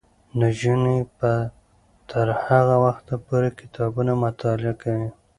نجونې به تر هغه وخته پورې کتابونه مطالعه کوي.